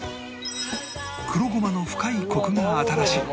黒ごまの深いコクが新しい！